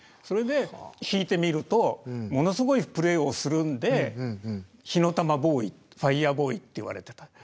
それで弾いてみるとものすごいプレーをするんで火の玉ボーイファイヤーボーイっていわれてた。